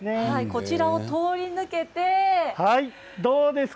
こちらを通り抜けて。